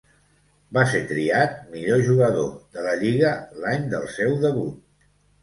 Va ser triat millor jugador de la lliga l'any del seu debut.